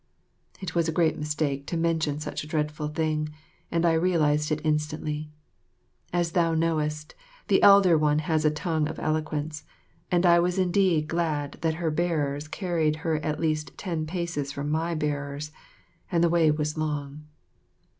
It was a great mistake to mention such a dreadful thing, and I realised it instantly; as thou knowest, the Elder One has a tongue of eloquence, and I was indeed glad that her bearers carried her at least ten paces from my bearers and the way was long.